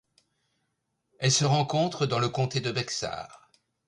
Elle se rencontre dans le comté de Bexar.